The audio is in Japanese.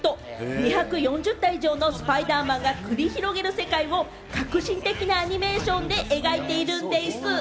２４０体以上のスパイダーマンが繰り広げる世界は革新的なアニメーションで描いているんでぃす。